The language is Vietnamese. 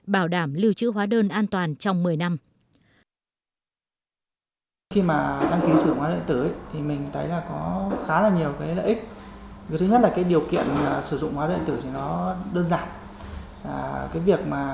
bảo đảm lưu trữ hóa đơn an toàn trong một mươi năm